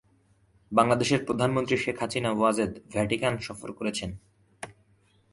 বাংলাদেশের প্রধানমন্ত্রী শেখ হাসিনা ওয়াজেদ ভ্যাটিকান সফর করেছেন।